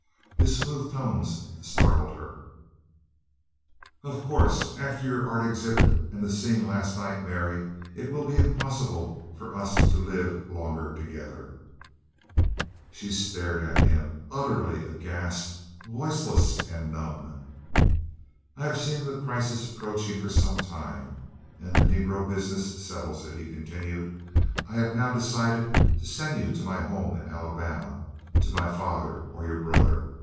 His smooth tones startled her: "Of course, after your art exhibit and the scene of last night, Mary, it will be impossible for us to live longer together." She stared at him, utterly aghast voiceless and numb. "I have seen the crisis approaching for some time, and the Negro business settles it," he continued. "I have now decided to send you to my home in Alabama, to my father or your brother.